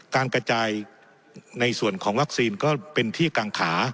การกระจายในส่วนของวัคซีนก็เป็นที่กางขา